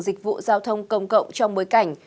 dịch vụ giao thông công cộng trong bối cảnh